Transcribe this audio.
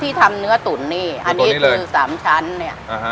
ที่ทำเนื้อตุ๋นนี่ตัวนี้เลยอันนี้คือสามชั้นเนี่ยอ่าฮะ